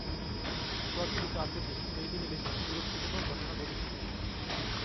প্রচলিত আছে যে, এই দিনে বেশকিছু গুরুত্বপূর্ণ ঘটনা ঘটেছিল।